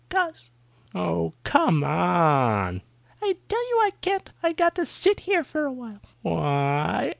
"'Cause!" "Oh, come on!" "I tell you I can't. I got to sit here for awhile." "Why?"